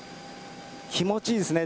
気持ちいいですね。